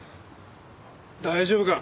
大丈夫か？